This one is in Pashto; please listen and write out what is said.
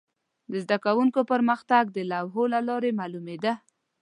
د زده کوونکو پرمختګ د لوحو له لارې معلومېده.